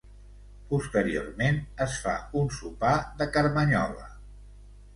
Posteriorment, es fa un sopar de carmanyola.